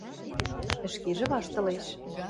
Ӹшкежӹ ваштылеш.